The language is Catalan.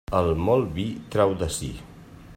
El molt vi trau de si.